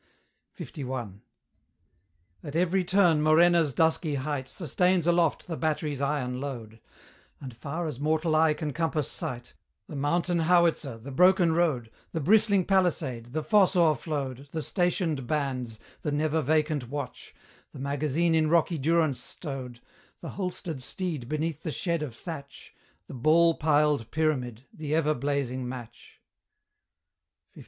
LI. At every turn Morena's dusky height Sustains aloft the battery's iron load; And, far as mortal eye can compass sight, The mountain howitzer, the broken road, The bristling palisade, the fosse o'erflowed, The stationed bands, the never vacant watch, The magazine in rocky durance stowed, The holstered steed beneath the shed of thatch, The ball piled pyramid, the ever blazing match, LII.